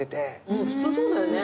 普通そうだよね。